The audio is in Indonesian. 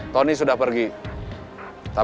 ya saya pelan pliji teman